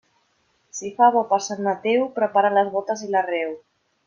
Si fa bo per Sant Mateu, prepara les bótes i l'arreu.